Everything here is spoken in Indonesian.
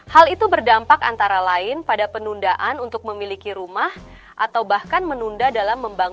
hal itu berdampak antara lain pada penundaan untuk memiliki rumah atau bahkan menunda dalam membangun